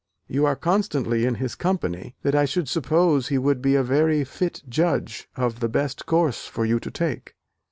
You are so constantly in his company, that I should suppose he would be a very fit judge of the best course for you to take."